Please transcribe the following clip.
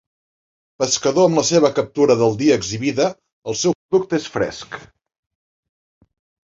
Pescador amb la seva captura del dia exhibida, el seu producte és fresc.